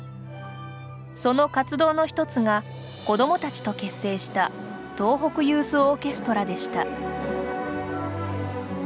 その活動の一つが子どもたちと結成した東北ユースオーケストラでした。